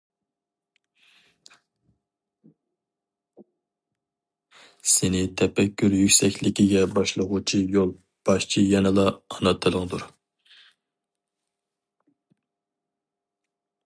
سېنى تەپەككۇر يۈكسەكلىكىگە باشلىغۇچى يول باشچى يەنىلا ئانا تىلىڭدۇر.